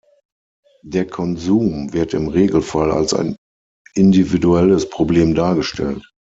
Der Konsum wird im Regelfall als ein individuelles Problem dargestellt.